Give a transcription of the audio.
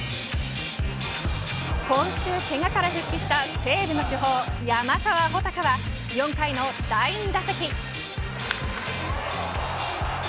今週けがから復帰した西武の主砲山川穂高は４回の第２打席。